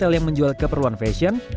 yang menjual keperluan fashion